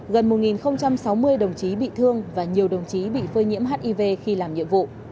gần một sáu mươi đồng chí bị thương và nhiều đồng chí bị phơi nhiễm hiv khi làm nhiệm vụ